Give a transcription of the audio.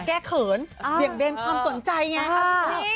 แก้เขินเบียงเบนความต้นใจไง